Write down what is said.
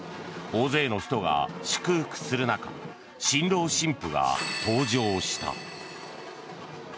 大勢の人が祝福する中新郎新婦が登場した。